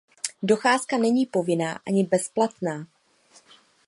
Docházka není povinná ani bezplatná.